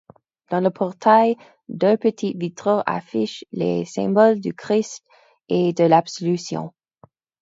Dans le portail deux petits vitraux affichent les symboles du Christ et de l'absolution.